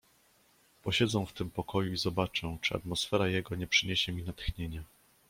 "Posiedzę w tym pokoju i zobaczę, czy atmosfera jego nie przyniesie mi natchnienia."